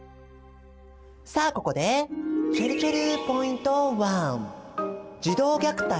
さあここでちぇるちぇるポイント１。